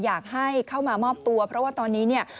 อยากให้เข้ามามอบตัวเพราะว่าตอนนี้เนี่ย